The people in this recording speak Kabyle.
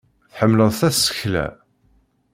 Tḥemmleḍ tasekla?